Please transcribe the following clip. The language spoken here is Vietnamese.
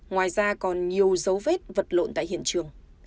ngoài ra còn nhiều dấu vết vật lộn tại hiện trường